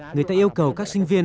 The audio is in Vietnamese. người ta yêu cầu các sinh viên